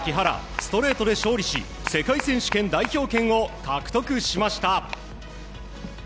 ストレートで勝利し世界選手権代表権を獲得しました。